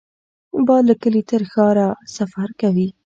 باد له کلي تر ښار سفر کوي